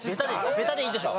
ベタでいいでしょ。